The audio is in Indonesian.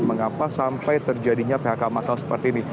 mengapa sampai terjadinya phk masal seperti ini